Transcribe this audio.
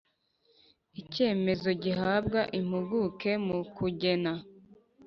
Icyemezo gihabwa impuguke mu kugena